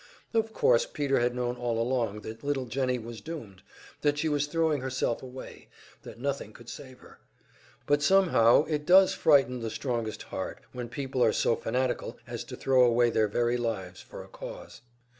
Of course Peter had known all along that little Jennie was doomed, that she was throwing herself away, that nothing could save her. But somehow, it does frighten the strongest heart when people are so fanatical as to throw away their very lives for a cause.